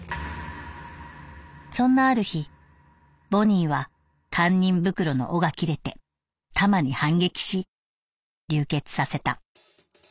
「そんなある日ボニーは堪忍袋の緒が切れてタマに反撃し流血させた。